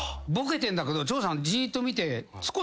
長さんじーっと見て。